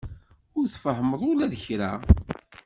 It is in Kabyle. Ur tfehhmeḍ ula d kra.